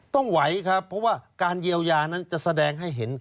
ไหวครับเพราะว่าการเยียวยานั้นจะแสดงให้เห็น